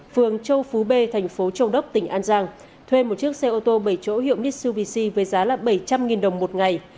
phường châu phú b thành phố châu đốc tỉnh an giang thuê một chiếc xe ô tô bảy chỗ hiệu mitsuvsy với giá là bảy trăm linh đồng một ngày